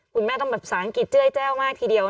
คุณแม่ต้องฝากศาลอังกฤษเจ๊วมากทีเดียว